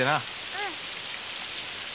うん。